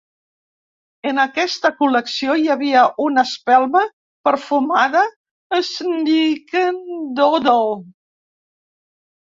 En aquesta col·lecció hi havia una espelma perfumada "snickerdoodle".